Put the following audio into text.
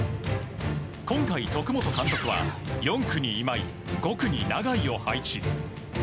今回、徳本監督は４区に今井５区に永井を配置。